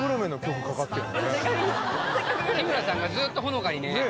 日村さんがずっとほのかにね